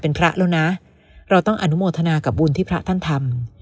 เป็นพระแล้วนะเราต้องอนุโมทนากับบุญที่พระท่านทำ